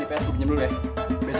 yang mana kelakunya udah begitu